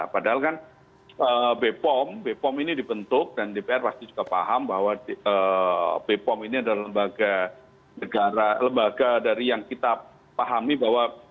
padahal kan bepom bepom ini dibentuk dan dpr pasti juga paham bahwa bepom ini adalah lembaga negara lembaga dari yang kita pahami bahwa